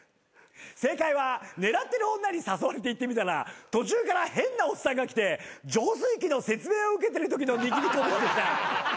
正解は狙ってる女に誘われて行ってみたら途中から変なおっさんが来て浄水器の説明を受けてるときの握り拳でした。